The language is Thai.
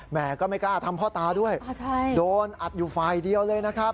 แม่ก็ไม่กล้าทำพ่อตาด้วยโดนอัดอยู่ฝ่ายเดียวเลยนะครับ